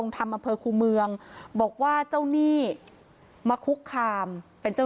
ลงทำอำเภอคุมเรียบอกว่าเจ้าหนี้มาคุกคามเป็นเจ้า